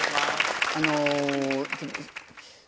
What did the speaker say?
あの。